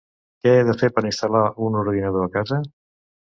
Què he de fer per instal·lar un ordinador a casa?